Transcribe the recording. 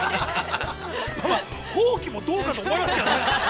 ◆放棄もどうかと思いますけどね。